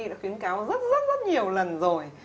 đã khuyến cáo rất rất rất nhiều lần rồi